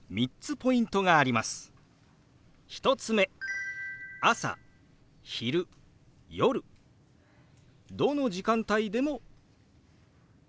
１つ目朝・昼・夜どの時間帯でも使えます。